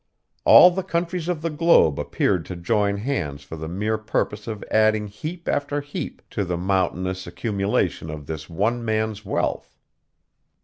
All the countries of the globe appeared to join hands for the mere purpose of adding heap after heap to the mountainous accumulation of this one man's wealth.